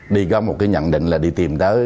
đi có một cái nhận định là đi tìm tới